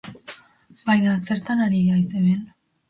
Baina zertan ari haiz hemen?